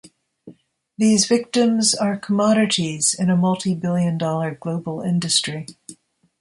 These victims are commodities in a multibillion-dollar global industry.